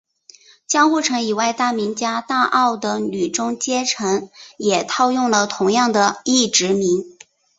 江户城以外大名家大奥的女中阶层也套用了同样的役职名。